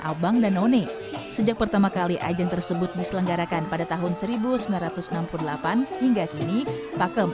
abang dan none sejak pertama kali ajang tersebut diselenggarakan pada tahun seribu sembilan ratus enam puluh delapan hingga kini pakem